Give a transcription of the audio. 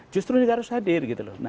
justru negara harus hadir